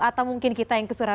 atau mungkin kita yang keseluruhan